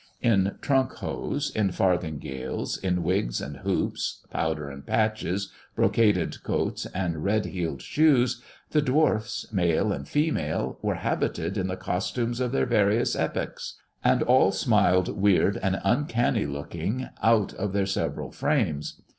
In trunk hose, in farthingales, in wigs and hoops, powder and patches, brocaded coats, and red heeled shoes, the dwarfs, male and female, were habited in the costumes of their various epochs, and all smiled weird and uncanny looking out of their several frames.